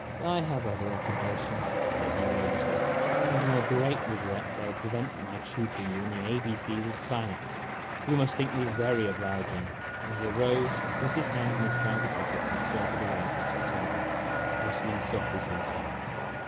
" I have other occupations," said he, roguishly, " and, to my great 82 IMAGINOTIONS regret, they will prevent my tutoring you in the A B C's of science. You must think me very obliging !" and he arose, put his hands in "'YOU CAN GO BACK WHERE YOU CAME FROM!' his trousers pockets, and sauntered away across the table, whistling softly to himself.